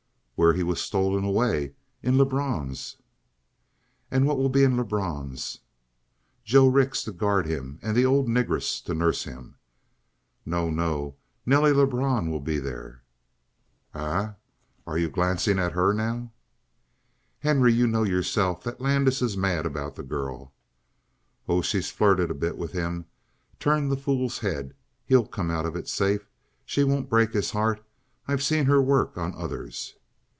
"Where he was stolen away. In Lebrun's." "And what will be in Lebrun's?" "Joe Rix to guard him and the old negress to nurse him."' "No, no! Nelly Lebrun will be there!" "Eh? Are you glancing at her, now?" "Henry, you yourself know that Landis is mad about that girl." "Oh, she's flirted a bit with him. Turned the fool's head. He'll come out of it safe. She won't break his heart. I've seen her work on others!"